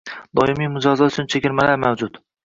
Doimiy mijozlar uchun chegirmalar mavjud!